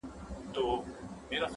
لس پنځلس ورځي وروسته وه جشنونه !.